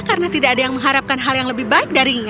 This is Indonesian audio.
karena tidak ada yang mengharapkan hal yang lebih baik darinya